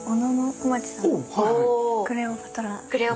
クレオパトラ。